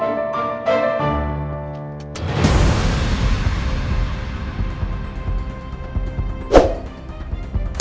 kalo kita ke kantor kita bisa ke kantor